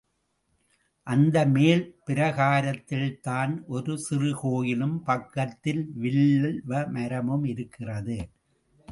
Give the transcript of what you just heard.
அந்த மேல் பிராகாரத்தில்தான் ஒரு சிறு கோயிலும் பக்கத்தில் வில்வமரமும் இருக்கிறது.